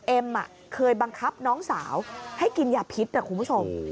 เอ็มเคยบังคับน้องสาวให้กินยาพิษนะคุณผู้ชม